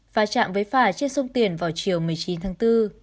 và chạm với phà trên sông tiền vào chiều một mươi chín tháng bốn